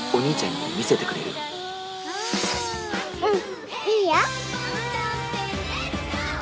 うん。